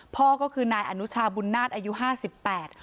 พ่อก็คือนายอนุชาบุญนาฏอายุห้าสิบแปด